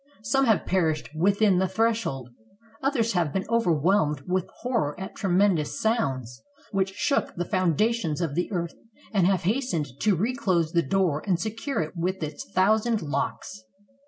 Some have perished within the threshold; others have been overv\^helmed with horror at tremendous sounds, which shook the founda tions of the earth, and have hastened to reclose the door and secure it with its thousand locks.